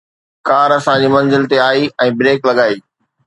ڪار اسان جي منزل تي آئي ۽ بريڪ لڳائي